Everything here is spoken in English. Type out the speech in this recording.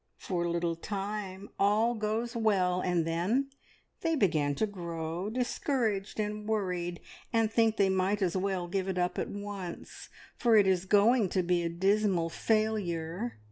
For a little time all goes well, and then they begin to grow discouraged and worried, and think they might as well give it up at once, for it is going to be a dismal failure.